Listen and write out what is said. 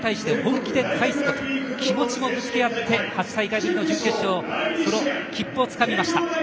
気持ちもぶつけ合って８大会ぶりの準決勝の切符をつかみました。